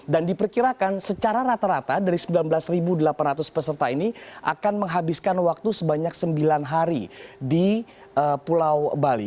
dan diperkirakan secara rata rata dari sembilan belas delapan ratus peserta ini akan menghabiskan waktu sebanyak sembilan hari di pulau bali